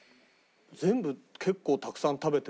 全部結構たくさん食べてるし。